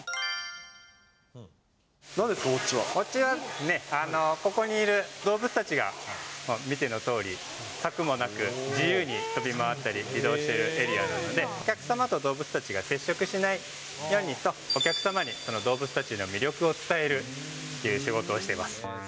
ウォッチはここにいる動物たちが、見てのとおり、柵もなく自由に飛び回ったり、移動しているエリアなので、お客様と動物たちが接触しないようにと、お客様に動物たちの魅力を伝えるっていう仕事をしています。